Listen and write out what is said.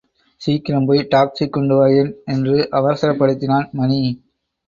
சீக்கிரம் போய் டாக்சி கொண்டு வாயேன் என்று அவசரப்படுத்தினான் மணி.